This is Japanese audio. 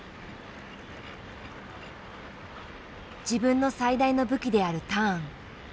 自分の最大の武器であるターン。